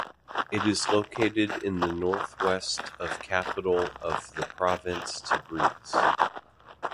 It is located in the north-west of capital of the province Tabriz.